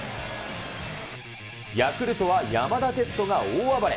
ヤクルトは山田哲人が大暴れ。